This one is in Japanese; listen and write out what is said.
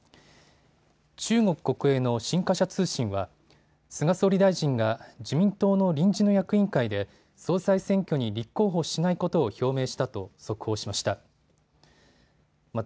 中国国営の新華社通信は菅総理大臣が自民党の臨時の役員会で総裁選挙に立候補しないことを表明したと速報しました。